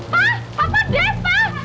papa def pak